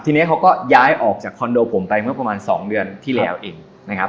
ทีนี้เขาก็ย้ายออกจากคอนโดผมไปเมื่อประมาณ๒เดือนที่แล้วเองนะครับ